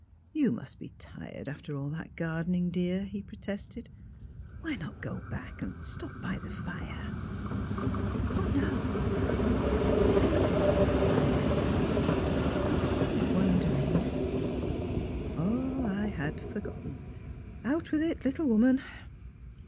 '' You must be tired after all that gardening, dear," he protested. *' Why not go back and stop by the fire? "'' No — oh, no! I'm not a bit tired. I was only wondering '''' Ah, I had forgotten. Out with it, little woman!